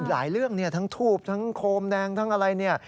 หลายเรื่องเนี่ยทั้งทูบทั้งโคมแดงทั้งอะไรเนี่ย